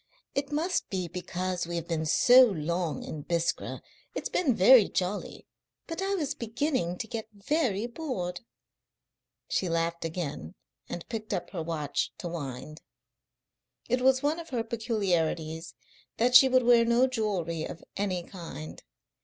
It must be because we have been so long in Biskra. It's been very jolly, but I was beginning to get very bored." She laughed again and picked up her watch to wind. It was one of her peculiarities that she would wear no jewellery of any kind.